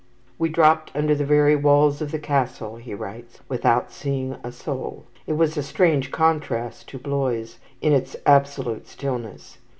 "We dropped under the very walls of the Castle," he writes, "without seeing a soul. It was a strange contrast to Blois in its absolute stillness.